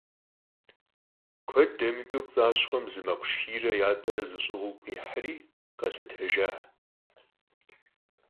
Kued demıç'ıu pts'aşxhuem zı mekhu şşxiyre yat'ere zeş'ığuu khihri, khelhetejjaş.